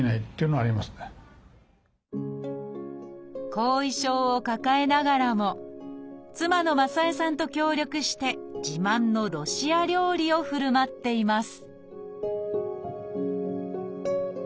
後遺症を抱えながらも妻の正恵さんと協力して自慢のロシア料理をふるまっています